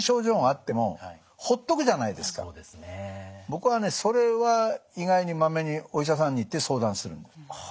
僕はねそれは意外にまめにお医者さんに行って相談するんです。